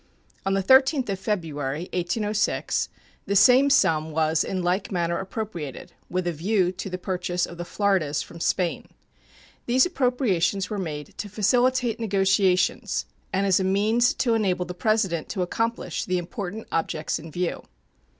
On the 13th of February, 1806, the same sum was in like manner appropriated, with a view to the purchase of the Floridas from Spain. These appropriations were made to facilitate negotiations and as a means to enable the President to accomplish the important objects in view.